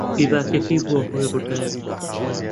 بێباکییەکەی بووە هۆی ڕووداوێک.